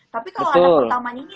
tapi kalau anak pertamanya ini